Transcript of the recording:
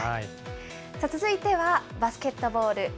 続いてはバスケットボール。